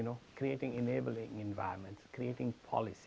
membuat lingkungan yang lebih mudah membuat polisi